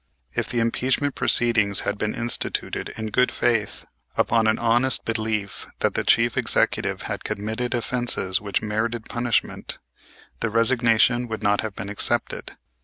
If the impeachment proceedings had been instituted in good faith, upon an honest belief that the chief executive had committed offenses which merited punishment, the resignation would not have been accepted.